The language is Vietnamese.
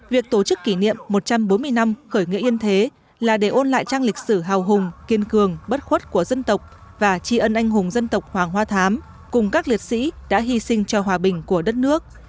việc tổ chức kỷ niệm một trăm bốn mươi năm khởi nghĩa yên thế là để ôn lại trang lịch sử hào hùng kiên cường bất khuất của dân tộc và tri ân anh hùng dân tộc hoàng hoa thám cùng các liệt sĩ đã hy sinh cho hòa bình của đất nước